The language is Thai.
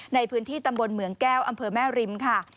ในพื้นที่ตำบลเหมืองแก้วอำเภอแม่ริมค่ะ